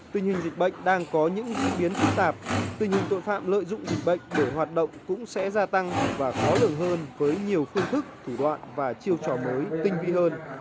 tuy nhiên dịch bệnh đang có những diễn biến tức tạp tuy nhiên tội phạm lợi dụng dịch bệnh để hoạt động cũng sẽ gia tăng và khó lường hơn với nhiều phương thức thủ đoạn và chiêu trò mới tinh vị hơn